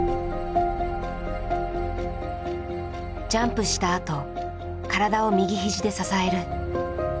ジャンプしたあと体を右肘で支える。